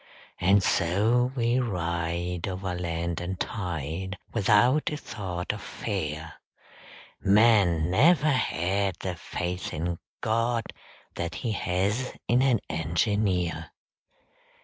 And so we ride Over land and tide, Without a thought of fear _Man never had The faith in God That he has in an engineer!